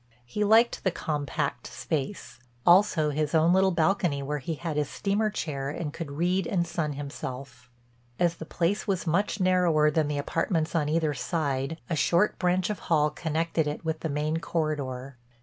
He liked the compact space, also his own little balcony where he had his steamer chair and could read and sun himself. As the place was much narrower than the apartments on either side a short branch of hall connected it with the main corridor.